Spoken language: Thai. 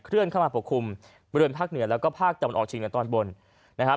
เข้ามาปกคลุมบริเวณภาคเหนือแล้วก็ภาคตะวันออกเชียงเหนือตอนบนนะครับ